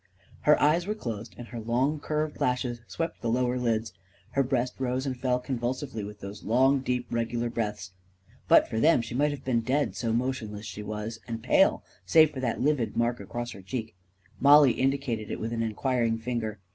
Her eyes were closed, and her long, curved lashes swept the lower lids. Her breast rose and fell convulsively with those long, deep, regular breaths. But for them, she might have been dead, so motionless she was and pale, save for that livid mark across her cheek. Mollie indicated it with an enquiring finger.